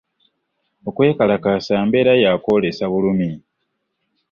Okwekalakasa mbeera ya kwolesa bulumi.